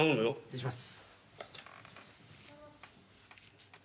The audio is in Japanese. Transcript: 失礼します。